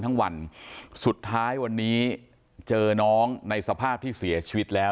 ทั้งวันสุดท้ายวันนี้เจอน้องในสภาพที่เสียชีวิตแล้ว